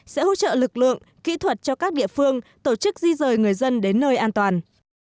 sẽ hỗ trợ lực lượng kỹ thuật cho các địa phương tổ chức di rời người dân đến nơi an toàn